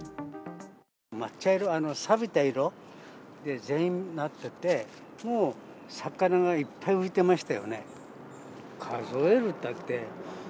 真っ茶色、さびた色で全部なってて、もう魚がいっぱい浮いてましたよね。